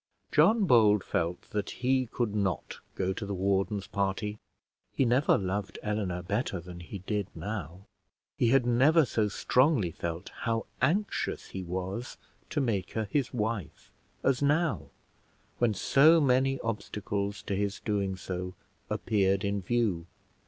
John Bold felt that he could not go to the warden's party: he never loved Eleanor better than he did now; he had never so strongly felt how anxious he was to make her his wife as now, when so many obstacles to his doing so appeared in view.